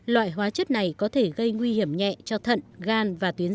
loại hóa chất này có thể gây nguy hiểm nhẹ cho thận gan và tuyến r